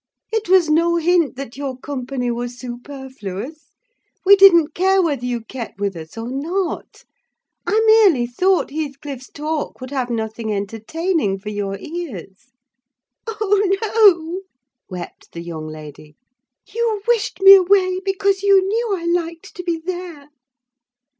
"It was no hint that your company was superfluous; we didn't care whether you kept with us or not; I merely thought Heathcliff's talk would have nothing entertaining for your ears." "Oh, no," wept the young lady; "you wished me away, because you knew I liked to be there!"